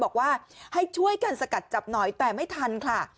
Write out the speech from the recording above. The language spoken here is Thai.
บอกว่าให้ช่วยกันสกัดจับหน่อยแต่ไม่ทันค่ะ